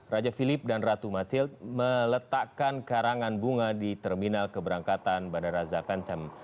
raja philip dan ratu matild meletakkan karangan bunga di terminal keberangkatan bandara zaventem